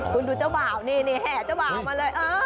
คุณดูเจ้าบ่าวนี่แห่เจ้าบ่าวมาเลย